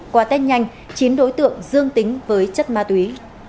qua tết nhanh chín đối tượng dương tính với chất ma túy